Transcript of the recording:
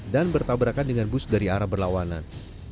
dan bertabrakan dengan bus dari arah berlawanan